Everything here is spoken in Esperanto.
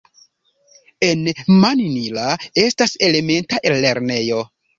En Mannila estas elementa lernejo.